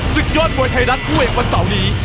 ศึกยอดมวยไทยรัฐคู่เอกวันเสาร์นี้